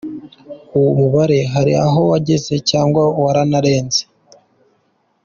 Uwo mubare hari aho wageze cyangwa wanarenze.